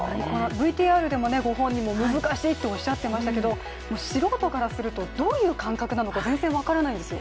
ＶＴＲでもご本人も難しいとおっしゃっていましたけれども、素人からすると、どういう感覚なのか全然分からないんですよ。